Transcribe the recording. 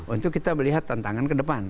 untuk kita melihat tantangan kedepan